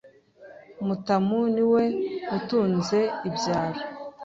Mutamu ni we utunze ibyaro